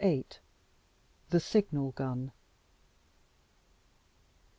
VIII. The Signal Gun.